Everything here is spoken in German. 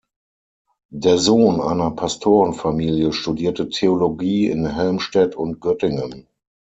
Der Sohn einer Pastorenfamilie studierte Theologie in Helmstedt und Göttingen.